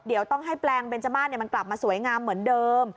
เดี๋ยวต้องให้แปลงเบนจมาสมันกลับมาสวยงามเหมือนเดิม